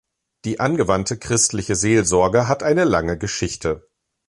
Die angewandte christliche Seelsorge hat eine lange Geschichte.